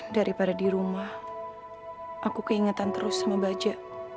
daripada di rumah aku keingetan terus sama baja